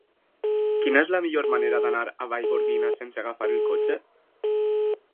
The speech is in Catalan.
Quina és la millor manera d'anar a Vallgorguina sense agafar el cotxe?